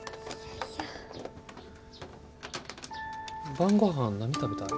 晩ごはん何食べたい？